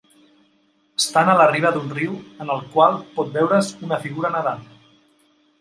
Estan a la riba d'un riu, en el qual pot veure's a una figura nedant.